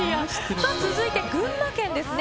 さあ続いて群馬県ですね。